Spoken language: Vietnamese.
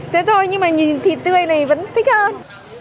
thế thôi nhưng mà nhìn thịt tươi này vẫn thích hơn